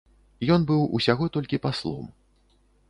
Ён быў усяго толькі паслом.